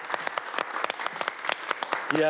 いや。